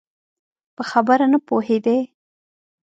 په خبره نه پوهېدی؟